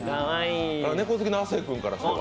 猫好きの亜生君からしたら？